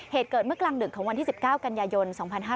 เหตุเกิดเมื่อกลางดึกของวันที่๑๙กันยายน๒๕๕๙